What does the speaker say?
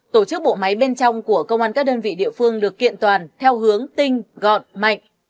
tổ chức bộ máy bên trong của công an các đơn vị địa phương được kiện toàn theo hướng tinh gọn mạnh